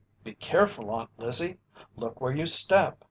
"Be careful, Aunt Lizzie! Look where you step!"